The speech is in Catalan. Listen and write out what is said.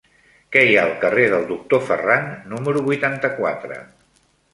Què hi ha al carrer del Doctor Ferran número vuitanta-quatre?